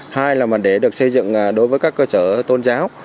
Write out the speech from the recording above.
hai là để được xây dựng đối với các cơ sở tôn giáo